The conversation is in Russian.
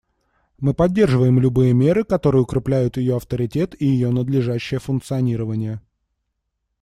Мы поддерживаем любые меры, которые укрепляют ее авторитет и ее надлежащее функционирование.